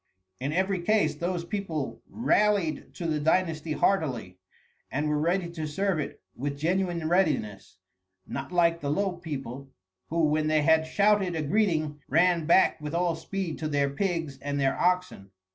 In every case those people rallied to the dynasty heartily, and were ready to serve it with genuine readiness; not like the low people, who when they had shouted a greeting ran back with all speed to their pigs and their oxen.